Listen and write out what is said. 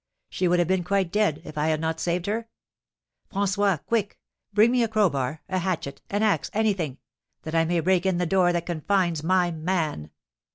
She would have been quite dead, if I had not saved her. François, quick! Bring me a crowbar, a hatchet, an axe, anything, that I may break in the door that confines my man!"